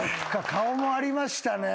顔もありましたね。